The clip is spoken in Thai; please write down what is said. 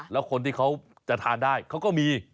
แล้วคนที่เขาจะทานได้เขาก็มี